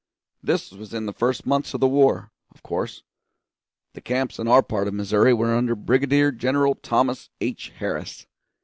This was in the first months of the war, of course. The camps in our part of Missouri were under Brigadier General Thomas H. Harris.